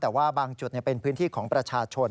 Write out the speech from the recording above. แต่ว่าบางจุดเป็นพื้นที่ของประชาชน